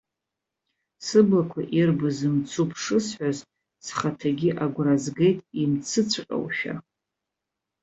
Сыблақәа ирбаз мцуп шысҳәоз, схаҭагьы агәра згеит имцыҵәҟьоушәа.